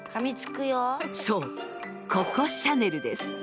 そうココ・シャネルです。